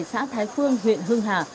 xã thái phương huyện hương hà